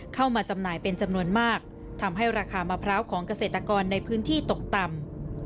เข้ามาจำหน่ายเป็นจำนวนมากทำให้ราคามะพร้าวของเกษตรกรในพื้นที่ตกต่ำ